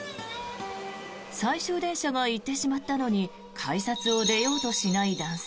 最終電車が行ってしまったのに改札を出ようとしない男性。